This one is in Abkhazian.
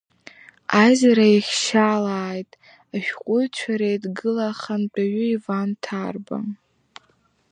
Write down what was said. Аизара еихишьаалеит ашәҟәыҩҩцәа Реидгыла ахантәаҩы Иван Ҭарба.